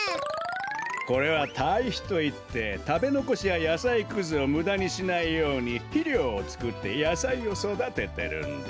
これは「たいひ」といってたべのこしややさいくずをむだにしないようにひりょうをつくってやさいをそだててるんだ。